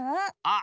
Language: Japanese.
あ